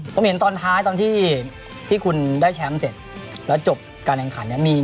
ผมเห็นตอนท้ายตอนที่คุณได้แชมป์เสร็จแล้วจบการแข่งขันเนี่ย